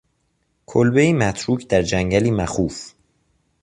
کلبهای متروک در جنگلی مخوف.